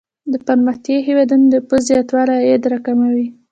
د پرمختیايي هیوادونو د نفوسو زیاتوالی عاید را کموي.